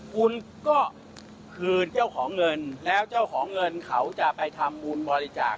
คุณก็คืนเจ้าของเงินแล้วเจ้าของเงินเขาจะไปทำบุญบริจาค